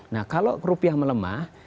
nah kalau rupiah melemah